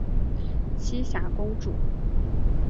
栖霞公主。